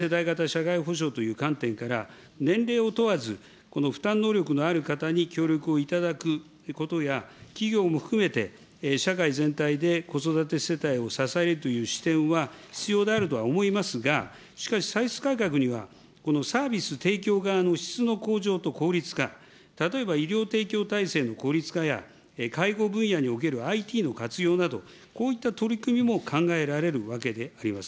さまざまな国民に対する負担が生じるのではないか等のご指摘があるわけでありますが、これ、歳出改革にあたっては、全世代型社会保障という観点から、年齢を問わず、この負担能力のある方に協力をいただくことや、企業も含めて、社会全体で子育て世帯を支えるという視点は必要であるとは思いますが、しかし、歳出改革には、サービス提供側の質の向上と効率化、例えば医療提供体制の効率化や介護分野におけるＩＴの活用など、こういった取り組みも考えられるわけであります。